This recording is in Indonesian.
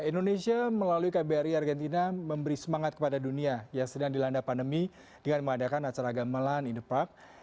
indonesia melalui kbri argentina memberi semangat kepada dunia yang sedang dilanda pandemi dengan mengadakan acara gamelan in the park